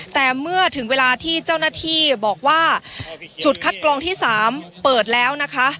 แต่เมื่อถึงเวลาที่เจ้าหน้าที่บอกว่าจุดคัดกรองที่๓เปิดแล้วนะคะ